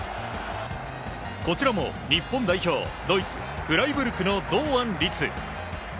こちらも日本代表、ドイツ・フライブルクの堂安律。